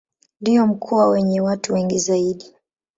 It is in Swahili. Ndio mkoa wenye watu wengi zaidi.